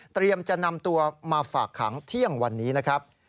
จะนำตัวมาฝากขังเที่ยงวันนี้นะครับ